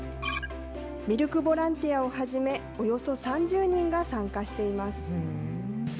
ミルクボランティアをはじめ、およそ３０人が参加しています。